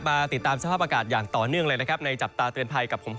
มาติดตามสภาพอากาศอย่างต่อเนื่องเลย